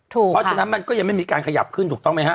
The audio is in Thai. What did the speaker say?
เพราะฉะนั้นมันก็ยังไม่มีการขยับขึ้นถูกต้องไหมฮะ